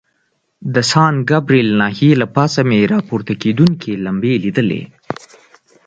د سان ګبریل ناحیې له پاسه مې را پورته کېدونکي لمبې لیدلې.